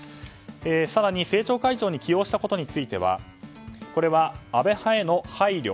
更に政調会長に起用したことについてはこれは、安倍派への配慮。